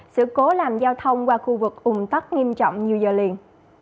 sự cố làm giao thông qua khu vực ủng tắc nghiêm trọng nhiều giờ liền